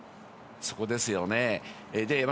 そこですよね。